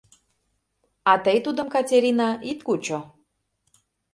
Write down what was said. А тый тудым, Катерина, ит кучо.